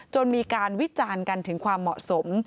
จนมีการวิจารณ์กันถึงความเหมาะสม